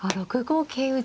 ６五桂打。